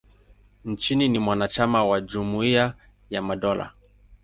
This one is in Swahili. Nchi ni mwanachama wa Jumuia ya Madola.